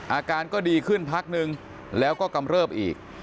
อาการก็ดีขึ้นพักนึงแล้วก็กำเริบอีก